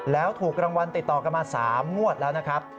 แล้วถูกรางวัลติดต่อกันมา๓งวดแล้วนะครับ